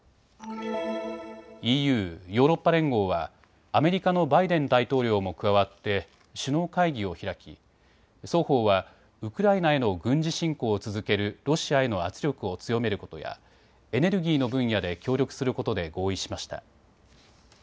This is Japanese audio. ＥＵ・ヨーロッパ連合はアメリカのバイデン大統領も加わって首脳会議を開き双方はウクライナへの軍事侵攻を続けるロシアへの圧力を強めることやエネルギーの分野で協力することで合意しました。